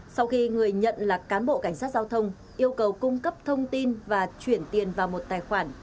sau khi người nhận là cán bộ cảnh sát giao thông yêu cầu cung cấp thông tin và chuyển tiền vào một tài khoản